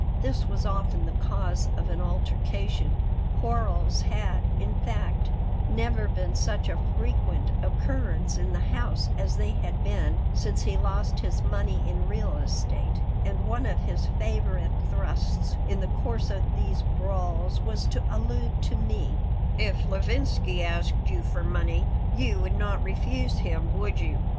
This was often the cause of an altercation. Quarrels had, in fact, never been such a frequent occurrence in the house as they had been since he lost his money in real estate, and one of his favorite thrusts in the course of these brawls was to allude to me "If Levinsky asked you for money you would not refuse him, would you?"